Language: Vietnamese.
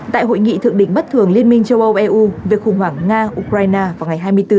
tại hội nghị thượng đỉnh bất thường liên minh châu âu eu về khủng hoảng nga ukraine vào ngày hai mươi bốn